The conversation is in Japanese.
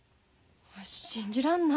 信じらんない。